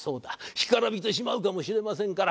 干からびてしまうかもしれませんから。